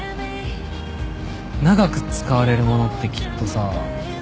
長く使われるものってきっとさ